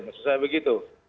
maksud saya begitu